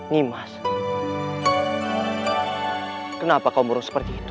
nimas kenapa kau burung seperti itu